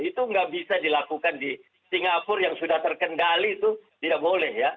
itu nggak bisa dilakukan di singapura yang sudah terkendali itu tidak boleh ya